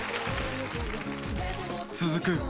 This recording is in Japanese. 続く